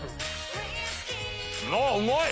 あっうまい！